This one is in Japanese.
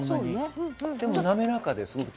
でも滑らかです。